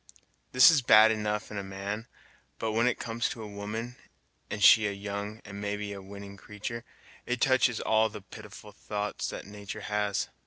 This is bad enough in a man, but when it comes to a woman, and she a young, and maybe a winning creatur' it touches all the pitiful thoughts his natur' has.